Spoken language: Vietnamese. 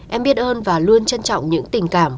em biết ơn và luôn trân trọng những tình cảm